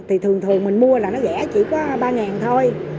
thì thường thường mình mua là nó rẻ chỉ có ba thôi